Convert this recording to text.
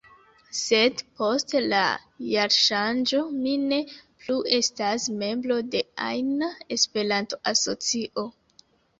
Sed post la jarŝanĝo mi ne plu estas membro de ajna Esperanto-asocio.